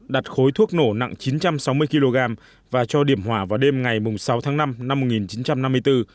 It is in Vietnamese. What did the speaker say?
đặt khối thuốc nổ nặng chín trăm sáu mươi kg và cho điểm hỏa vào đêm ngày sáu tháng năm năm một nghìn chín trăm năm mươi bốn